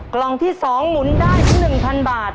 กล่องที่๒หมุนได้ถึง๑๐๐บาท